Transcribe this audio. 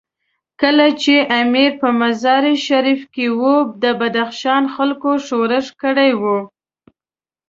کله چې امیر په مزار شریف کې وو، د بدخشان خلکو ښورښ کړی وو.